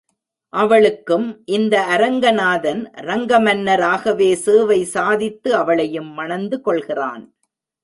அவளுக்கும் இந்த அரங்கநாதன் ரங்கமன்னாராகவே சேவை சாதித்து அவளையும் மணந்து கொள்கிறான்.